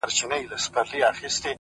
ستا شاعرۍ ته سلامي كومه!